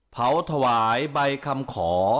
เผาถวายใบคำขอ